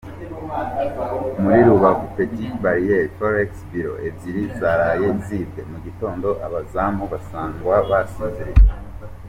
Muri Rubavu- Petite barriere, Forex Bureau ebyiri zaraye zibwe, mu gitondo abazamu basangwa bagisinziriye.